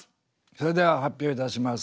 それでは発表いたします。